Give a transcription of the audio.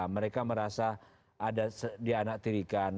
mereka merasa ada dianak tirikan